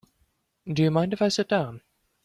Do you mind if I sit down?